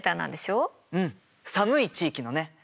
うん寒い地域のね。